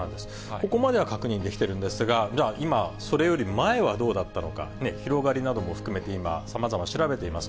ここまでは確認できてるんですが、じゃあ、今、それより前はどうだったのか、広がりなども含めて今、さまざま、調べています。